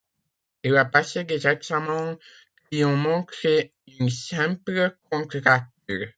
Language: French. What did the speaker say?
Il a passé des examens qui ont montré une simple contracture.